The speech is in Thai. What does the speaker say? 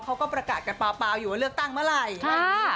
เขาก็ประกาศกันเปล่าอยู่ว่าเลือกตั้งเมื่อไหร่